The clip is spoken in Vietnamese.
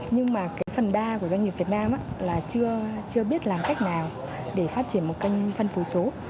nhưng mà cái phần đa của doanh nghiệp việt nam là chưa biết làm cách nào để phát triển một kênh phân phối số